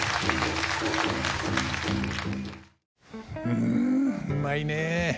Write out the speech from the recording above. うんうまいね。